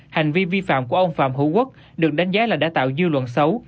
hành vi vi phạm của ông phạm hữu quốc được đánh giá là đã tạo dư luận xấu